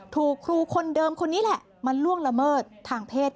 ถูกครูคนเดิมคนนี้แหละมาล่วงละเมิดทางเพศ